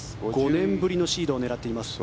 ５年ぶりのシードを狙っています。